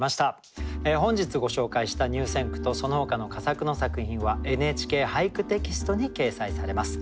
本日ご紹介した入選句とそのほかの佳作の作品は「ＮＨＫ俳句」テキストに掲載されます。